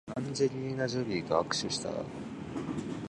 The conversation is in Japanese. アンジェリーナジョリーと握手した